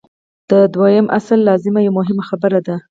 د دویم اصل لازمه یوه مهمه خبره ده.